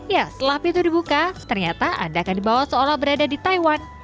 ya setelah pintu dibuka ternyata anda akan dibawa seolah berada di taiwan